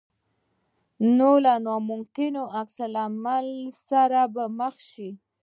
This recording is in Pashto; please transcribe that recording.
نو له ناممکن عکس العمل سره به مخ شې.